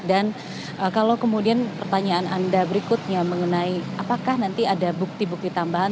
dan kalau kemudian pertanyaan anda berikutnya mengenai apakah nanti ada bukti bukti tambahan